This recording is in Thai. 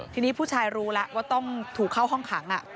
ทีนี้ผู้ชายรู้แล้วว่าต้องถูกเข้าห้องขัง